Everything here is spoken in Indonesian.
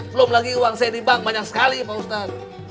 belum lagi uang saya dibank banyak sekali pak ustadz